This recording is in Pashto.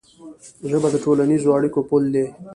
ژبه د ټولنیزو اړیکو پل دی.